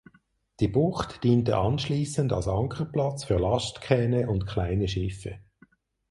Die Bucht diente anschließend als Ankerplatz für Lastkähne und kleine Schiffe.